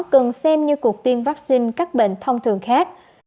cần xem như cuộc tiêm vaccine các bệnh thông thường khác